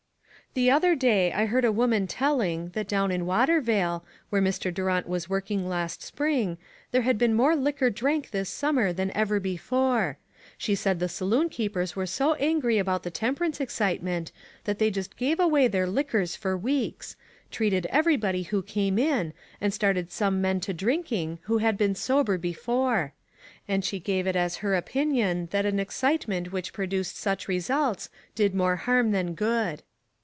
" The other day I heard a woman telling, that down in Watervale, where Mr. Durant was working last spring, there had been more liquor drank this summer than ever before ; she said the saloon keepers were so angry about the temperance excitement, that they just gave away their liquors for weeks, treated everybody who came in, and started some young men to drinking who had been sober before. And she gave it as her opinion that an excitement which produced such results did more harm than good."